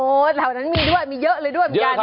โอ้ยแถวนั้นมีด้วยมีเยอะเลยด้วยมีการเยอะครับ